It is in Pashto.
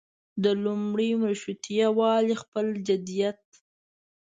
د لومړي مشروطیه والو خپل جديت.